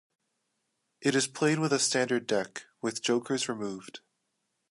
It is played with a standard deck, with jokers removed.